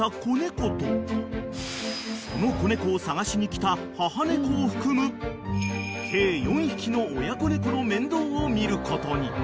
［その子猫を探しに来た母猫を含む計４匹の親子猫の面倒を見ることに］